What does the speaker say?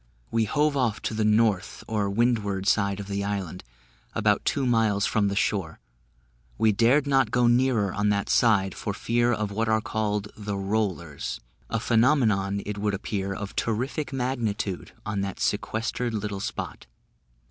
We hove off to the north or windward side of the island, about two miles from the shore; we dared not go nearer on that side, for fear of what are called the "Rollers" a phenomenon, it would appear, of terrific magnitude, on that sequestered little spot.